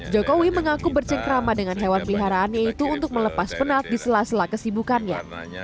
jokowi mengaku bercengkrama dengan hewan peliharaannya itu untuk melepas penat di sela sela kesibukannya